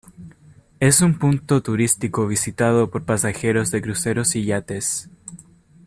Es un punto turístico visitado por pasajeros de cruceros y yates.